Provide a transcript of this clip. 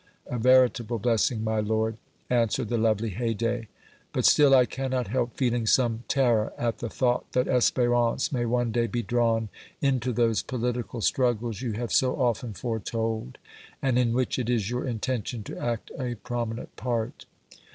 "A veritable blessing, my lord," answered the lovely Haydée, "but still I cannot help feeling some terror at the thought that Espérance may one day be drawn into those political struggles you have so often foretold, and in which it is your intention to act a prominent part."